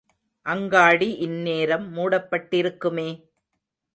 அங்காடி இந்நேரம் மூடப்பட்டிருக்குமே?